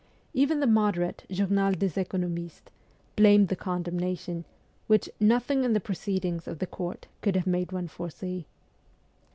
Even the moderate ( Journal des Economistes ' blamed the condemnation, which ' nothing in the proceedings of the court could have made one foresee.'